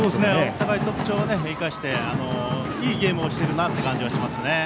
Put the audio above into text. お互い特徴を生かしていいゲームをしているなと感じはします。